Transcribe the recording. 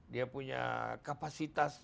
dia punya kapasitas